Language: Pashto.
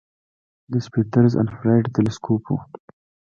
د سپیتزر انفراریډ تلسکوپ و.